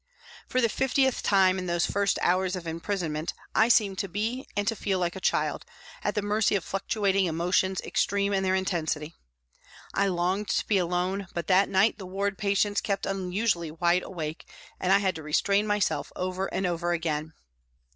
For the fiftieth time in those first hours of imprison ment I seemed to be and to feel like a child, at the mercy of fluctuating emotions extreme in their intensity. I longed to be alone, but that night the ward patients kept unusually wide awake and I had to restrain myself over and over again.